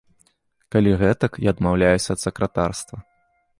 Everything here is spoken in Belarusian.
Калі гэтак, я адмаўляюся ад сакратарства.